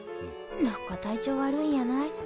どっか体調悪いんやない？